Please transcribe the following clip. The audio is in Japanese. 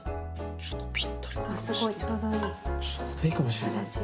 ちょうどいいかもしれない。